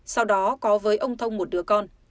sau đó có với ông thông một đứa con